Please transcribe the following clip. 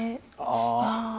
ああ。